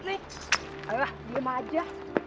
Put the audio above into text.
ayo diam saja